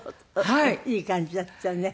いい感じだったわね。